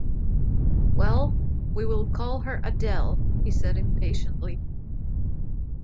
"Well, we will call her Adele," he said impatiently.